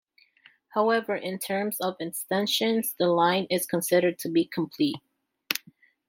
However, in terms of extensions, the line is considered to be complete.